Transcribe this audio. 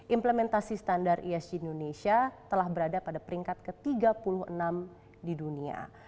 implementasi standar esg indonesia telah berada pada peringkat ke tiga puluh enam di dunia